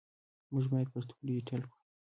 موږ باید پښتو ډیجیټل کړو